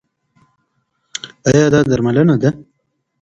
ایا دا درملنه ده؟